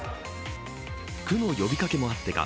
区の呼びかけもあってか